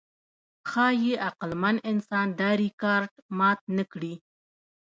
ښایي عقلمن انسان دا ریکارډ مات نهکړي.